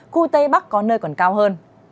khu tây bắc có nơi còn cao hơn